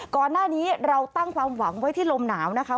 ก่อนหน้านี้เราตั้งความหวังไว้ที่ลมหนาวนะคะ